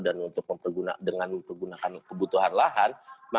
dan untuk mempergunakan kebutuhan lahan